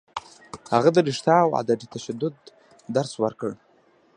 هغه د رښتیا او عدم تشدد درس ورکړ.